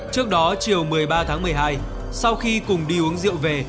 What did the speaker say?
trước đó chiều một mươi ba tháng một mươi hai sau khi cùng đi uống rượu về